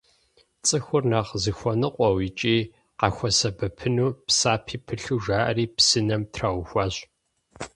Цӏыхур нэхъ зыхуэныкъуэу икӏи къахуэсэбэпыну, псапи пылъу жаӏэри псынэм траухуащ.